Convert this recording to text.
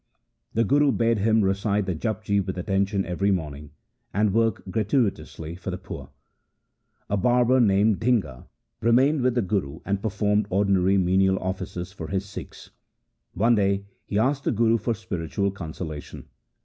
The Guru bade him recite the Japji with attention every morning, and work gra tuitously for the poor. A barber named Dhinga remained with the Guru and performed ordinary menial offices for his Sikhs. One day he asked the Guru for spiritual consolation.